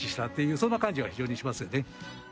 そんな感じが非常にしますよね。